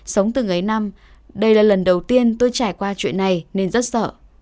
sống từ mấy năm đây là lần đầu tiên tôi trải qua chuyện này nên rất sợ